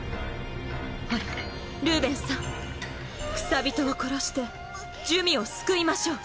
ほらルーベンスさん草人を殺して珠魅を救いましょう。